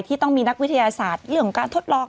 ที่ต้องมีนักวิทยาศาสตร์เรื่องของการทดลอง